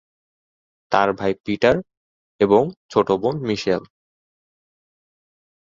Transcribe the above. তার ভাই পিটার এবং ছোট বোন মিশেল।